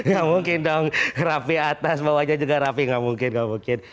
gak mungkin dong rapi atas bawahnya juga rapi nggak mungkin nggak mungkin